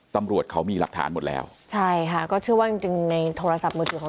ตำรวจเขามีหลักฐานหมดแล้วใช่ค่ะก็เชื่อว่าจริงจริงในโทรศัพท์มือถือของ